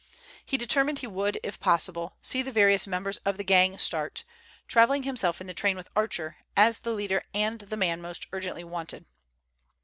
He determined he would, if possible, see the various members of the gang start, travelling himself in the train with Archer, as the leader and the man most urgently "wanted."